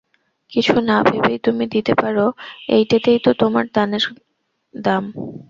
কিছু না ভেবেই তুমি দিতে পার এইটেতেই তো তোমার দানের দাম।